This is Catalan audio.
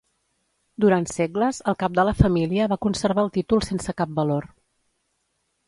Durant segles el cap de la família va conservar el títol sense cap valor.